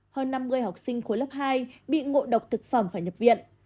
hơn năm mươi học sinh khối lớp hai bị ngộ độc thực phẩm phải nhập viện